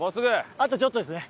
あとちょっとですね。